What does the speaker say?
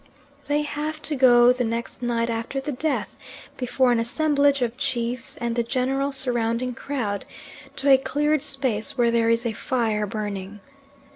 They have to go the next night after the death, before an assemblage of chiefs and the general surrounding crowd, to a cleared space where there is a fire burning.